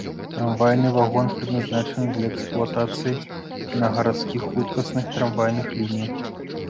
Трамвайны вагон прызначаны для эксплуатацыі на гарадскіх хуткасных трамвайных лініях.